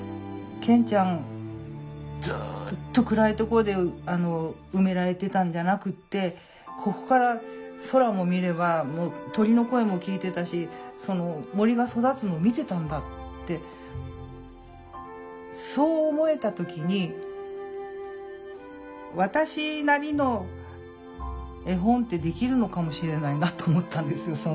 健ちゃんずっと暗いところで埋められてたんじゃなくってここから空も見れば鳥の声も聴いてたし森が育つのを見てたんだってそう思えた時に私なりの絵本ってできるのかもしれないなと思ったんですよ